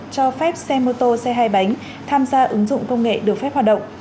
cho phép xe mô tô xe hai bánh tham gia ứng dụng công nghệ được phép hoạt động